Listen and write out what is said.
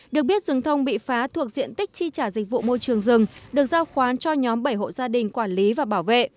được biết rừng thông bị phá thuộc diện tích chi trả dịch vụ môi trường rừng được giao khoán cho nhóm bảy hộ gia đình quản lý và bảo vệ